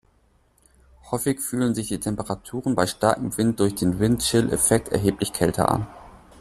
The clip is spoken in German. Häufig fühlen sich die Temperaturen bei starkem Wind durch den Windchill-Effekt erheblich kälter an.